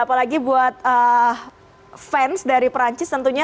apalagi buat fans dari perancis tentunya